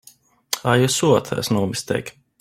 Are you sure there's no mistake?